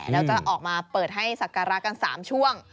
แล้วจะออกมาเปิดให้สักการะกัน๓ช่วง